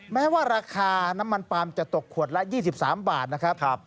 แม้ว่าราคาน้ำมันปาล์มจะตกขวดละ๒๓บาทนะครับ